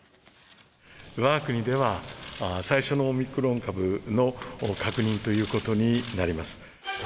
わが国では最初のオミクロン株の確認ということになります。